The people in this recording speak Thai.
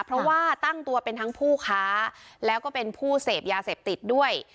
เพราะว่าตั้งตัวเป็นทั้งผู้ค้าแล้วก็เป็นผู้เสพยาเสพติดด้วย